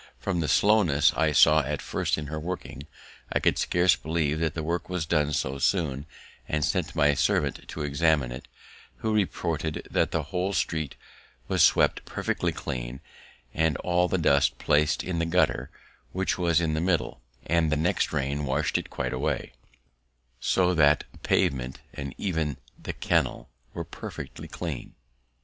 From the slowness I saw at first in her working, I could scarce believe that the work was done so soon, and sent my servant to examine it, who reported that the whole street was swept perfectly clean, and all the dust plac'd in the gutter, which was in the middle; and the next rain wash'd it quite away, so that the pavement and even the kennel were perfectly clean. A short street near Charing Cross, London.